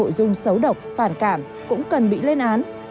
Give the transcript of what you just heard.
cho các nội dung xấu độc phản cảm cũng cần bị lên án